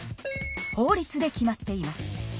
法律で決まっています。